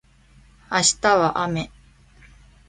明日は雨